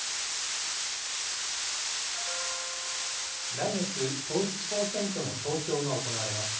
来月、統一地方選挙の投票が行われます。